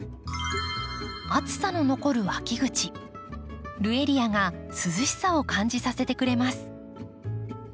暑さの残る秋口ルエリアが涼しさを感じさせてくれます。